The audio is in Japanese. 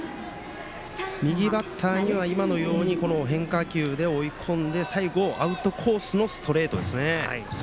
右バッターには今のように変化球で追い込んで、最後アウトコースのストレートですね。